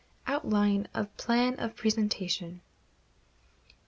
Outline of Plan of Presentation.